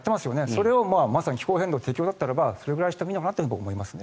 それをまさに気候変動適応だったらそれぐらいしてもいいかなと思いますね。